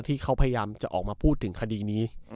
ที่เขาพยายามจะออกมาพูดถึงคดีนี้